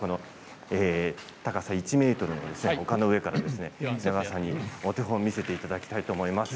高さ１ｍの丘の上から品川さんにお手本を見せていただきたいです。